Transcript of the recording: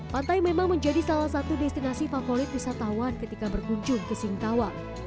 pantai memang menjadi salah satu destinasi favorit wisatawan ketika berkunjung ke singkawang